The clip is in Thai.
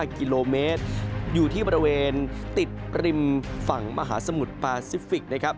กิโลเมตรอยู่ที่บริเวณติดริมฝั่งมหาสมุทรปาซิฟิกนะครับ